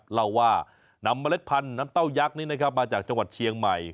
เล่าว่านำเมล็ดพันธุ์น้ำเต้ายักษ์นี้นะครับมาจากจังหวัดเชียงใหม่